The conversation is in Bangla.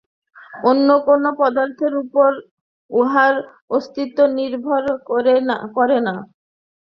অন্য কোন পদার্থের উপর উহার অস্তিত্ব নির্ভর করে না।